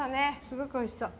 すごくおいしそう。